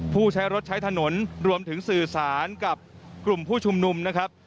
ผู้ใช้รถใช้ถนนรวมถึงสื่อสารกับกลุ่มผู้ชุมนุมนะครับ